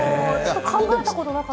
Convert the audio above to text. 考えたことなかった。